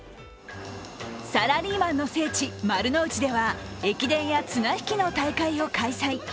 サラリーマンの聖地・丸の内では駅伝や綱引きの大会を開催。